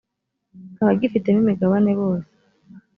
abagifitemo imigabane bose